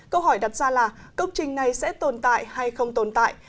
câu hỏi đặt ra là công trình này sẽ tồn tại hay không tồn tại